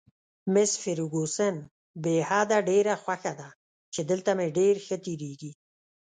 مس فرګوسن: بې حده، ډېره خوښه ده چې دلته مې ډېر ښه تېرېږي.